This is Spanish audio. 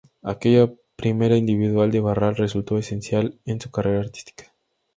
Aquella primera individual de Barral resultó esencial en su carrera artística.